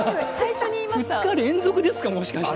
２日連続ですか、もしかして。